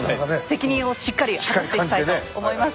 責任をしっかり果たしていきたいと思います。